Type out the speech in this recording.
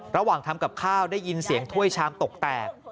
ระหว่างทำกับข้าวได้ยินเสียงถ้วยชามตกแตก